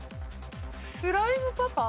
スライムパパ。